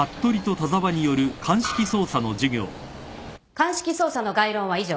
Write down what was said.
鑑識捜査の概論は以上。